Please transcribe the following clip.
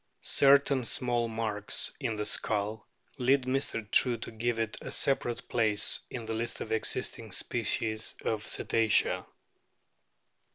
Certain small marks in the skull lead Mr. True to give it a separate place in the list of existing species of Cetacea.